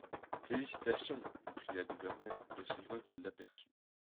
Félicitations, lui cria Duvernet d'aussi loin qu'il l'aperçut.